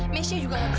mesya juga harus bebas